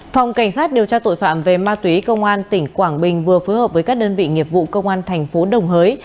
phòng cảnh sát điều tra tội phạm về ma túy công an tỉnh quảng bình vừa phối hợp với các đơn vị nghiệp vụ công an thành phố đồng hới